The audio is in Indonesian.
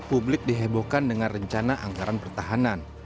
publik dihebohkan dengan rencana anggaran pertahanan